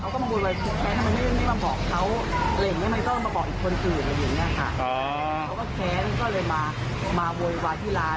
เขาก็แค้นก็เลยมามาโวยวายที่ร้าน